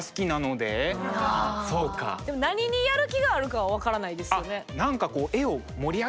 でも何にやる気があるかは分からないですよね。